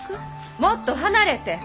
もっと離れて。